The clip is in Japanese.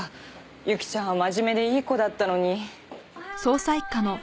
由紀ちゃんは真面目でいい子だったのに。